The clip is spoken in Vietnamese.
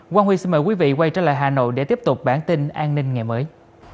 quang huy xin mời quý vị quay trở lại hà nội để tiếp tục bản tin an ninh ngày mới